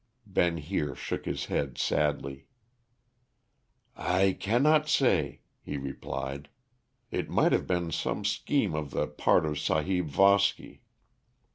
Ben Heer shook his head sadly. "I cannot say," he replied. "It might have been some scheme on the part of Sahib Voski.